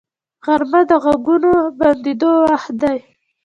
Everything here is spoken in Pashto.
غرمه د غږونو بندیدو وخت دی